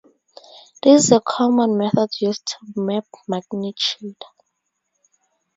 This is a common method used to map magnitude.